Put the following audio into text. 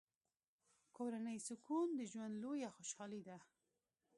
کورنی سکون د ژوند لویه خوشحالي ده.